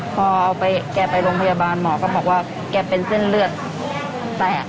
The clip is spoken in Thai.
พอแกไปโรงพยาบาลหมอก็บอกว่าแกเป็นเส้นเลือดแตก